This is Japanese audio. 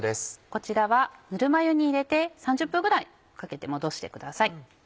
こちらはぬるま湯に入れて３０分ぐらいかけて戻してください。